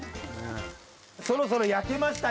そろそろやけましたよ